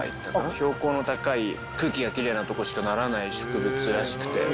標高の高い空気がキレイなとこしかならない植物らしくて。